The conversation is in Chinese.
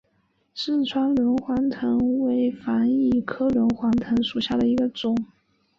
四川轮环藤为防己科轮环藤属下的一个种。